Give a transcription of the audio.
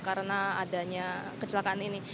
karena adanya kecelakaan ini